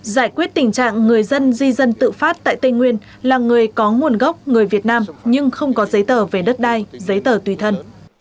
giải quyết tình trạng người dân di dân tự phát tại tây nguyên là người có nguồn gốc người việt nam nhưng không có giấy tờ về đất đai giấy tờ tùy thân